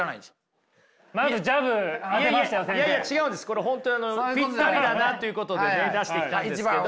これ本当ピッタリだなということでね出してきたんですけど。